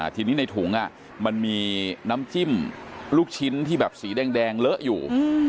ทีนี้ในถุงมันมีน้ำจิ้มลูกชิ้นที่แบบสีแดงเลอะอยู่